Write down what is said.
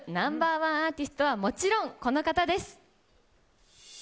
１アーティストはもちろん、この方です。